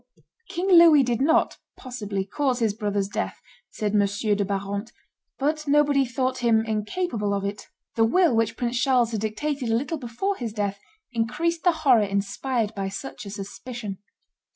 "King Louis did not, possibly, cause his brother's death," says M. de Barante, "but nobody thought him incapable of it." The will which Prince Charles had dictated a little before his death increased the horror inspired by such a suspicion.